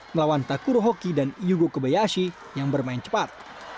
melawan takuro hoki dan yugo kebayashi yang bermain cepat